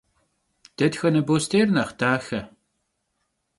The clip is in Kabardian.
Дэтхэнэ бостейр нэхъ дахэ?